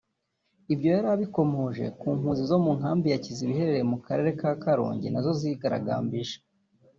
Ibyo yari abikomoje ku mpunzi zo mu nkambi ya Kiziba iherereye mu Karere ka Karongi nazo zigaragambije